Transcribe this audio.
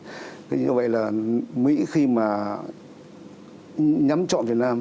thế như vậy là mỹ khi mà nhắm chọn việt nam